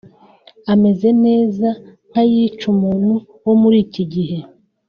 ameze neza nk’ay’icy’umuntu wo muri iki gihe